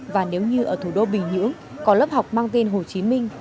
và nếu như ở thủ đô bình nhưỡng có lớp học mang tên hồ chí minh